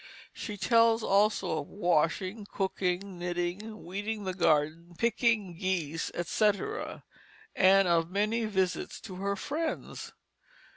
She tells also of washing, cooking, knitting, weeding the garden, picking geese, etc., and of many visits to her friends.